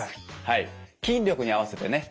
筋力に合わせてね